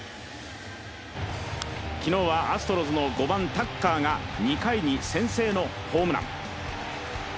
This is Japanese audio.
昨日はアストロズの５番・タッカーが２回に先制のホームラン。